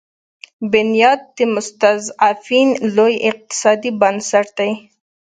بنیاد مستضعفین لوی اقتصادي بنسټ دی.